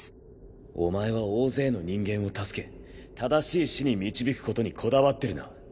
お前は大勢の人間を助け正しい死に導くことにこだわってるな。